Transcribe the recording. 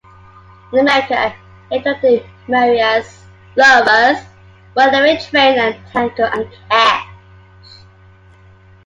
In America he directed "Maria's Lovers", "Runaway Train" and "Tango and Cash".